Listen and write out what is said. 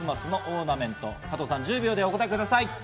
加藤さん、１０秒でお答えください。